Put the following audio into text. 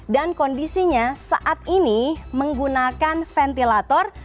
dan kondisinya saat ini menggunakan ventilator